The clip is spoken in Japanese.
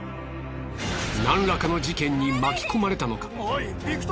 何らかの事件に巻き込まれたのか？